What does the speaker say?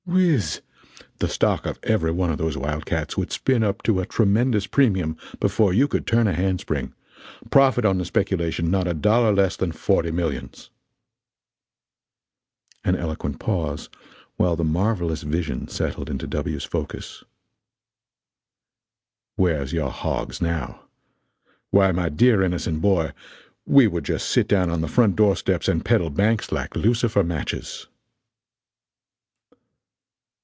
Whiz! the stock of every one of those wildcats would spin up to a tremendous premium before you could turn a handspring profit on the speculation not a dollar less than forty millions!" [An eloquent pause, while the marvelous vision settled into W.'s focus.] "Where's your hogs now? Why my dear innocent boy, we would just sit down on the front door steps and peddle banks like lucifer matches!"